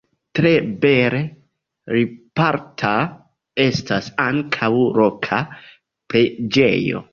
Tre bele riparita estas ankaŭ loka preĝejo.